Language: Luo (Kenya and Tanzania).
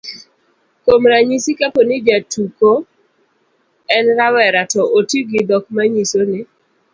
kuom ranyisi, kapo ni jatuko en rawera, to oti gi dhok manyiso ni